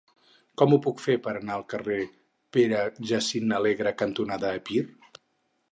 Com ho puc fer per anar al carrer Pare Jacint Alegre cantonada Epir?